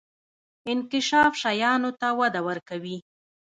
انکشاف شیانو ته وده ورکوي.